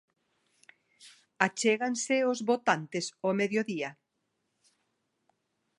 Achéganse os votantes ó mediodía?